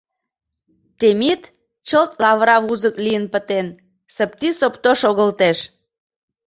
Темит чылт лавыра вузык лийын пытен, сыпти-сопто шогылтеш.